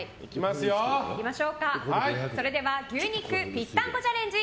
それでは牛肉ぴったんこチャレンジ